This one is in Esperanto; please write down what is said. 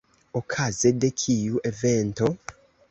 Okaze de kiu evento?